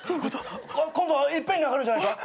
今度はいっぺんに上がるんじゃないか？